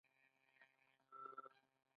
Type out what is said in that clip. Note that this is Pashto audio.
ریښه د دوام نښه ده.